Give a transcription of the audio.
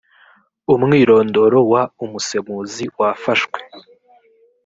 umwirondoro w umusemuzi wafashwe